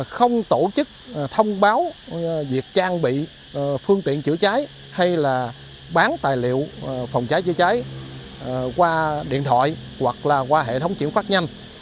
không tổ chức thông báo việc trang bị phương tiện chữa trái hay là bán tài liệu phòng trái chết cháy qua điện thoại hoặc là qua hệ thống triển phát nhanh